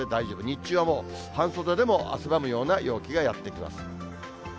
日中はもう、半袖でも汗ばむような陽気がやって来ます。